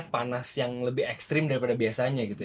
panas yang lebih ekstrim daripada biasanya gitu